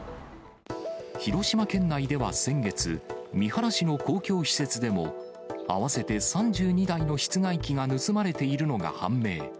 広島県内では先月、三原市の公共施設でも、合わせて３２台の室外機が盗まれているのが判明。